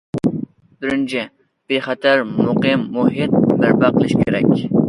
بىرىنچى، بىخەتەر، مۇقىم مۇھىت بەرپا قىلىش كېرەك.